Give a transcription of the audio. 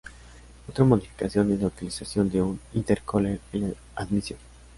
Otra modificación es la utilización de un intercooler en la admisión.